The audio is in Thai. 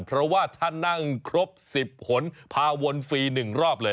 เพราะว่าถ้านั่งครบ๑๐หนพาวนฟรี๑รอบเลย